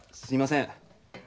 すみません。